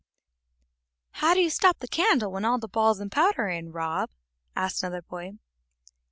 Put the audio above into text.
"How do you stop the candle when all the balls and powder are in, Rob?" asked another boy.